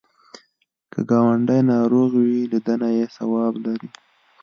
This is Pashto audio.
که ګاونډی ناروغ وي، لیدنه یې ثواب لري